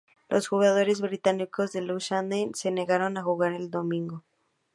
Los jugadores británicos de Lausanne se negaron a jugar en domingo.